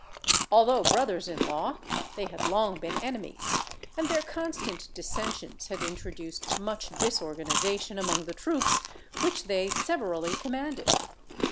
Although brothers in law, they had long been enemies, and their constant dissensions had introduced much disorganisation among the troops which they severally commanded.